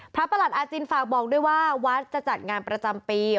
ประหลัดอาจินฝากบอกด้วยว่าวัดจะจัดงานประจำปี